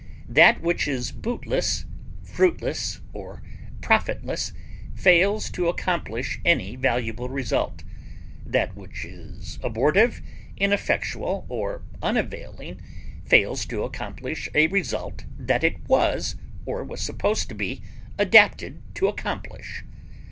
That which is bootless, fruitless, or profitless fails to accomplish any valuable result; that which is abortive, ineffectual, or unavailing fails to accomplish a result that it was, or was supposed to be, adapted to accomplish.